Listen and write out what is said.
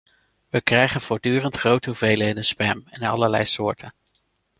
We krijgen voortdurend grote hoeveelheden spam, in allerlei soorten.